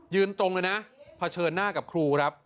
ยืนตรงนะพระเชิญหน้ากับครู้ครับ